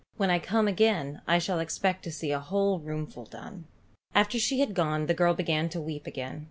When I come again I shall expect to see a whole roomful done." After she had gone the girl began to weep again.